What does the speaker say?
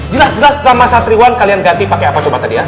jelas jelas nama satriwan kalian ganti pakai apa coba tadi ya